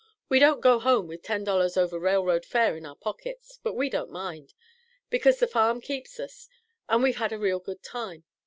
We don't go home with ten dollars over railroad fare in our pockets, but we don't mind, because the farm keeps us and we've had a real good time.